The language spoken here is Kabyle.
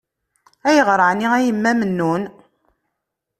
Ayɣer ɛni a Yemma Mennun?